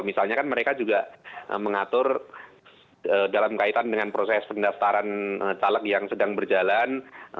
misalnya kan mereka juga mengatur dalam kaitan dengan proses pendaftaran caleg yang sedang berjalan